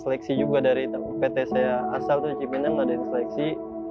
seleksi juga dari pt saya asal cipinang tidak ada seleksi